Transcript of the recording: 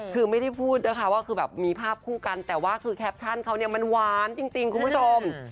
คือไม่ได้พูดนะคะว่าคือแบบมีภาพคู่กันแต่ว่าคือแคปชั่นเขาเนี่ยมันหวานจริงคุณผู้ชม